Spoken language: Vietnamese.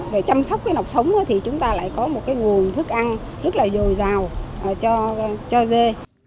để chăm sóc cái nọc sống thì chúng ta lại có một cái nguồn thức ăn rất là dồi dào cho dê